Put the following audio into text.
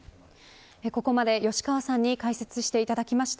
ここまで吉川さんに解説していただきました。